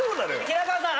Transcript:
平川さん